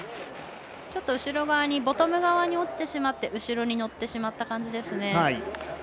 ちょっとボトム側に落ちてしまって後ろに乗ってしまった感じです。